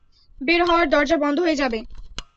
বের হওয়ার দরজা বন্ধ হয়ে যাবে!